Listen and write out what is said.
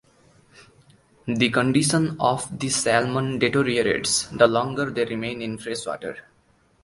The condition of the salmon deteriorates the longer they remain in fresh water.